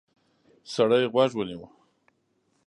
سړی غوږ ونیو.